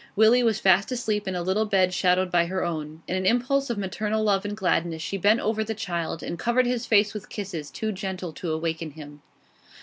Willie was fast asleep in a little bed shadowed by her own. In an impulse of maternal love and gladness she bent over the child and covered his face with kisses too gentle to awaken him.